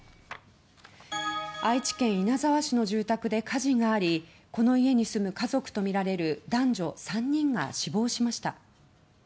愛知県稲沢市の住宅で火事がありこの家に住む家族とみられる男女３人が死亡しました。